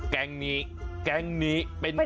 แกงนี้แกงนี้